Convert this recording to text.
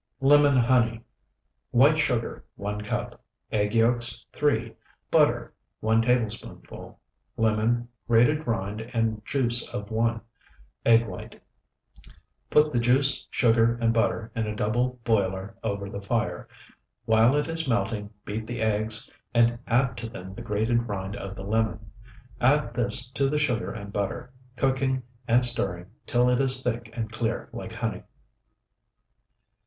LEMON HONEY White sugar, 1 cup. Egg yolks, 3. Butter, 1 tablespoonful. Lemon, grated rind and juice of 1. Egg white, 1. Put the juice, sugar, and butter in a double boiler over the fire; while it is melting, beat the eggs and add to them the grated rind of the lemon. Add this to the sugar and butter, cooking and stirring till it is thick and clear like honey.